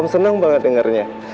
senang banget dengarnya